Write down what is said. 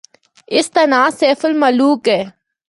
اس دا ناں سیف الملوک اے۔